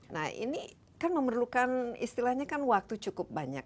nah ini kan memerlukan istilahnya kan waktu cukup banyak